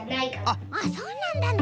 あっそうなんだね。